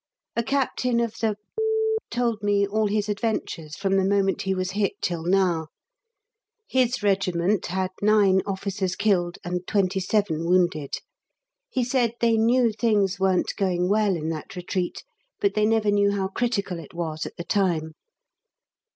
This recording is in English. A captain of the told me all his adventures from the moment he was hit till now. His regiment had nine officers killed and twenty seven wounded. He said they knew things weren't going well in that retreat, but they never knew how critical it was at the time.